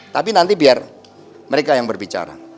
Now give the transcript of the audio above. tapi nanti biar mereka yang berbicara